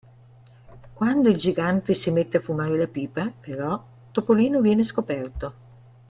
Quando il gigante si mette a fumare la pipa, però, Topolino viene scoperto.